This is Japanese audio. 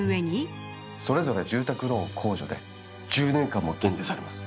それぞれ住宅ローン控除で１０年間も減税されます。